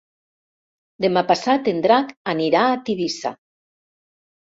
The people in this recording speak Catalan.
Demà passat en Drac anirà a Tivissa.